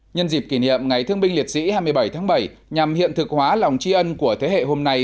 nhân dịp kỷ niệm ngày thương binh liệt sĩ hai mươi bảy tháng bảy nhằm hiện thực hóa lòng tri ân của thế hệ hôm nay